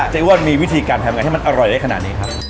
เจ้าอ้วนมีวิธีการทำไงให้มันอร่อยได้ขนาดนี้ครับ